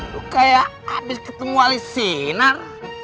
lu kaya abis ketemu alis sinar